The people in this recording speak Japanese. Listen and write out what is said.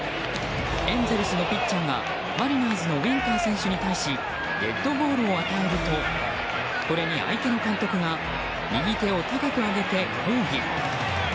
エンゼルスのピッチャーがマリナーズのウィンカー選手に対しデッドボールを与えるとこれに相手の監督が右手を高く上げて抗議。